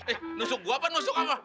eh nusuk gue apa nusuk apa